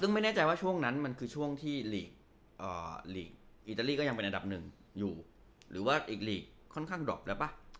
ซึ่งไม่แน่ใจว่าช่วงนั้นมันคือช่วงที่อิตาลีก็ยังเป็นอันดับหนึ่งอยู่หรือว่าอีกหลีกค่อนข้างดรอปแล้วป่ะ